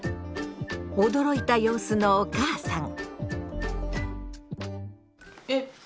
驚いた様子のお母さん。